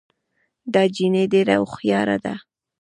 دا جینۍ ډېره هوښیاره ده